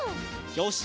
よし！